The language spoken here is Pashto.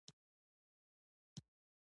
هغه همېشه د ثنا سره بازۍ کوي.